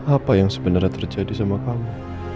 apa yang sebenarnya terjadi sama kamu